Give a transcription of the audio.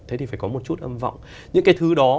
thế thì phải có một chút âm vọng những cái thứ đó